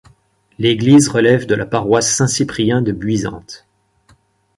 L'église relève de la Paroisse Saint Cyprien de Buisante.